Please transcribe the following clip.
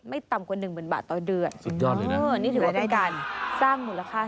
ไม่ต่ำกว่า๑๐๐๐บาทต่อเดือนนี่ถือว่าเป็นการสร้างมูลค่า